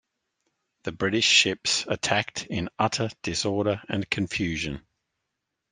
The British ships attacked in utter disorder and confusion.